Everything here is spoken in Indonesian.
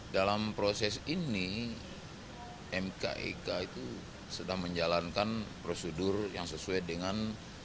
dalam proses ini mkek itu sedang menjalankan prosedur yang sesuai dengan